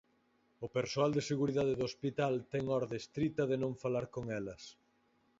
O persoal de seguridade do hospital ten orde estrita de non falar con elas.